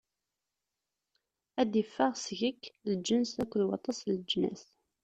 Ad d-iffeɣ seg-k lǧens akked waṭas n leǧnas.